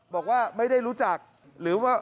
บอกว่าไม่ได้รู้จักหรือว่า